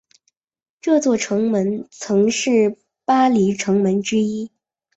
这座城门曾是巴黎城门之一。